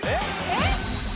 えっ？